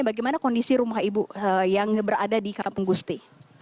bagaimana kondisi rumah ibu yang berada di kampung gusti